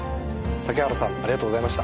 竹原さんありがとうございました。